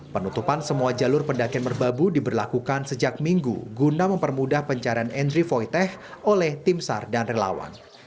penutupan semua jalur pendakian merbabu diberlakukan sejak minggu guna mempermudah pencarian enry voiteh oleh tim sar dan relawan